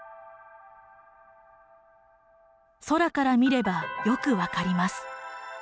空から見ればよく分かります。